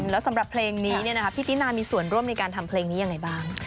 แล้วสำหรับเพลงนี้พี่ตินามีส่วนร่วมในการทำเพลงนี้ยังไงบ้าง